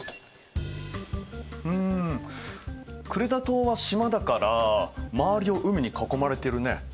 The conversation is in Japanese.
うんクレタ島は島だから周りを海に囲まれてるね。